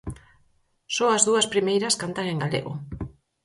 Só as dúas primeiras cantan en galego.